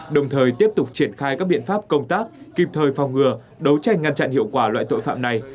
đồng thời tiếp tục triển khai các biện pháp công tác kịp thời phòng ngừa đấu tranh ngăn chặn hiệu quả loại tội phạm này